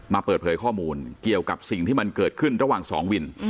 เปิดเผยข้อมูลเกี่ยวกับสิ่งที่มันเกิดขึ้นระหว่างสองวิน